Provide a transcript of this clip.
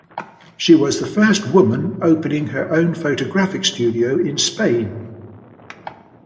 She was the first woman opening her own photographic studio in Spain.